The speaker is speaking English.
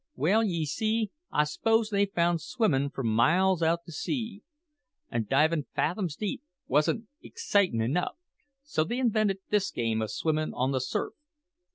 Well, ye see, I 'spose they found swimmin' for miles out to sea, and divin' fathoms deep, wasn't excitin' enough, so they invented this game o' swimmin' on the surf.